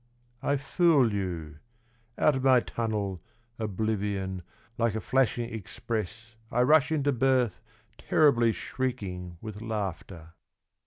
I fool you ; out of my tunnel, oblivion, Like a Hashing express I rush into birth, terribly shrieking With laughter.